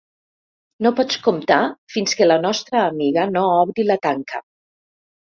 No pots comptar fins que la nostra amiga no obri la tanca.